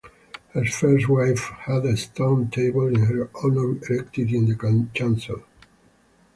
His first wife had a stone tablet in her honour erected in the chancel.